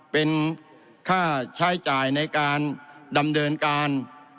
เป็นค่าใช้จ่ายในการดำเนินการ